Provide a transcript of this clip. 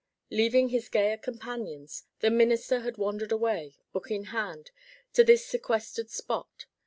Leaving his gayer companions, the minister had wandered away, book in hand, to this sequestered spot.